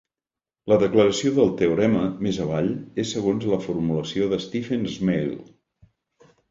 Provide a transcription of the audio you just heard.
La declaració del teorema, més avall, és segons la formulació de Stephen Smale.